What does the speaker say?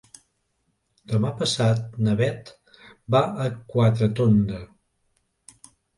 Demà passat na Bet va a Quatretonda.